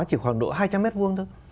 chỉ khoảng độ hai trăm linh m hai thôi